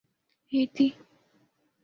ہیتی